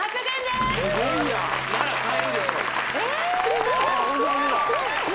すごーい